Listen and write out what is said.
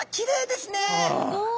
すごい。